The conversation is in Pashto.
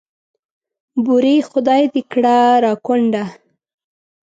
بورې خدای دې کړه را کونډه.